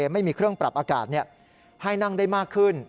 ไม่มีเครื่องปรับอากาศให้นั่งได้มากขึ้น